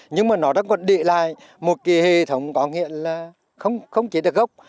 nhưng mà nó đã còn để lại một cái hệ thống có nghĩa là không chết được gốc